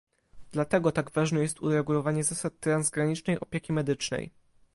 Dlatego tak ważne jest uregulowanie zasad transgranicznej opieki medycznej